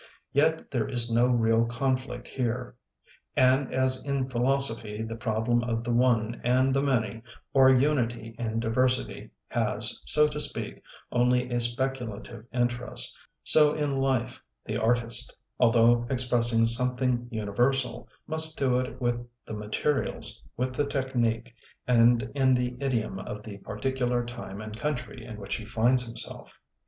Yet there is no real conflict here; and as in philoso phy the problem of the one and the many, or unity in diversity, has, so to speak, only a speculative interest, so in life the artist, although expressing something universal, must do it with the materials, with the technique, and in the idiom of the particular time and country in which he finds himself.